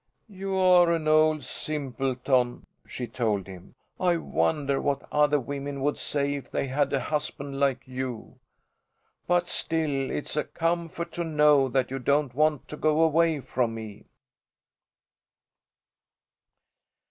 "You're an old simpleton," she told him. "I wonder what other women would say if they had a husband like you? But still it's a comfort to know that you don't want to go away from me."